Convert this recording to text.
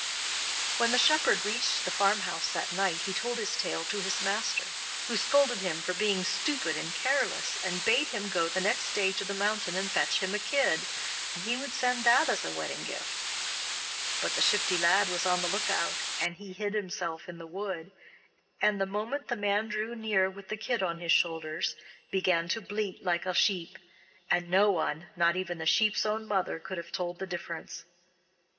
When the shepherd reached the farmhouse that night he told his tale to his master, who scolded him for being stupid and careless, and bade him go the next day to the mountain and fetch him a kid, and he would send that as a wedding gift. But the Shifty Lad was on the look out, and hid himself in the wood, and the moment the man drew near with the kid on his shoulders began to bleat like a sheep, and no one, not even the sheep's own mother, could have told the difference.